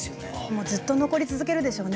もうずっと残り続けるでしょうね